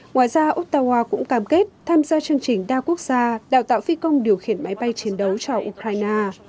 ngoài ra ottawa cũng cam kết tham gia chương trình đa quốc gia đào tạo phi công điều khiển máy bay chiến đấu cho ukraine